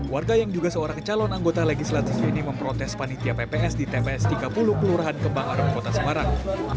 warga yang juga seorang calon anggota legislatif ini memprotes panitia pps di tps tiga puluh kelurahan kembang arung kota semarang